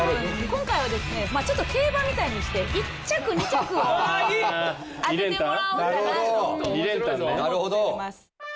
今回はですねちょっと競馬みたいにして１着２着を当ててもらおうかなと思っております。